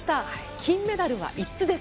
金メダルは５つです。